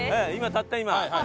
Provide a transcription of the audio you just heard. たった今。